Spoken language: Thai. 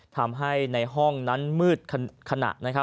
ทำให้ในห้องนั้นมืดขณะ